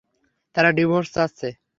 তারা ডিভোর্স চাচ্ছে।